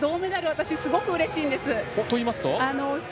私、すごくうれしいんです。